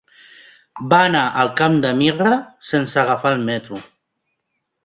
Va anar al Camp de Mirra sense agafar el metro.